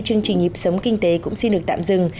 chương trình nhịp sống kinh tế cũng xin được tạm dừng